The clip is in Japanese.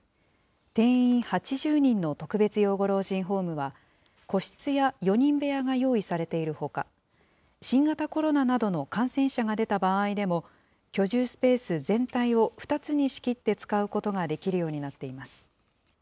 定員８０人の特別養護老人ホームは、個室や４人部屋が用意されているほか、新型コロナなどの感染者が出た場合でも、居住スペース全体を２つに仕切って使うことができるようになっています。